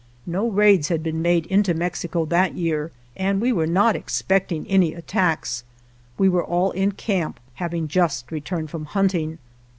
No raids had been made into Mexico that year, and we were not expecting any at tacks. We were all in camp, having just returned from hunting.